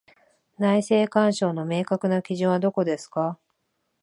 内政干渉の明確な基準はどこですか？